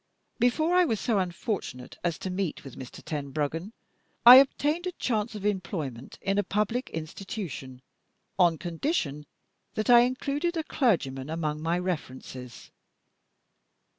Before I was so unfortunate as to meet with Mr. Tenbruggen, I obtained a chance of employment in a public Institution, on condition that I included a clergyman among my references.